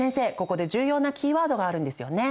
ここで重要なキーワードがあるんですよね？